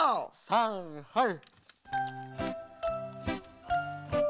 さんはい。